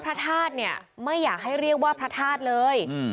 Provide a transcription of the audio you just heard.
พระธาตุเนี่ยไม่อยากให้เรียกว่าพระธาตุเลย